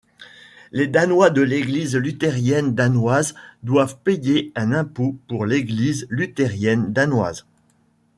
Les Danois de l'Église luthérienne danoise doivent payer un impôt pour l'Église luthérienne danoise.